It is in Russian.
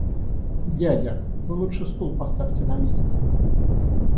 Дядя, вы лучше стул поставьте на место!